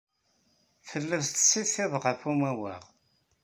Telliḍ tettsitiḍ ɣef umawaɣ.